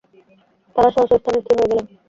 তারা স্ব স্ব স্থানে স্থির হয়ে গেলেন।